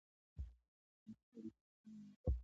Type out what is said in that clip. د جنسي اړيکې لپاره لېوالتيا ده.